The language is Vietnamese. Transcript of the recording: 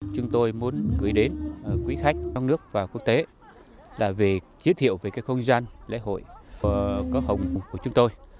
chúng tôi muốn gửi đến quý khách trong nước và quốc tế là về giới thiệu về cái không gian lễ hội có hồng của chúng tôi